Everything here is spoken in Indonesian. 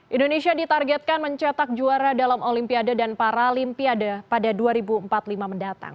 indonesia ditargetkan mencetak juara dalam olimpiade dan paralimpiade pada dua ribu empat puluh lima mendatang